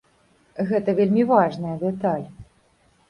Гэта вельмі важная дэталь.